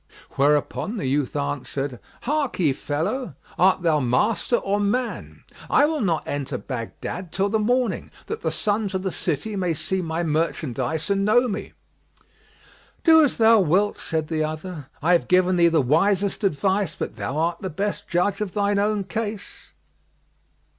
Whereupon the youth answered "Harkye, fellow, art thou master or man? I will not enter Baghdad till the morning, that the sons of the city may see my merchandise and know me." "Do as thou wilt," said the other "I have given thee the wisest advice, but thou art the best judge of thine own case."